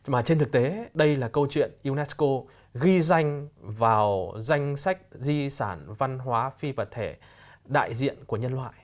mà trên thực tế đây là câu chuyện unesco ghi danh vào danh sách di sản văn hóa phi vật thể đại diện của nhân loại